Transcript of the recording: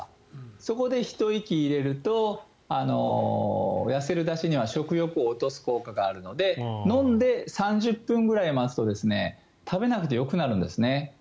そこでひと息入れると痩せるだしには食欲を落とす効果があるので飲んで３０分ぐらい待つと食べなくてよくなるんですね。